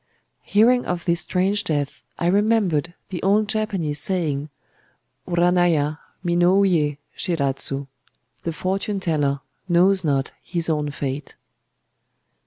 Hearing of this strange death I remembered the old Japanese saying,—Uranaiya minouyé shiradzu: "The fortune teller knows not his own fate."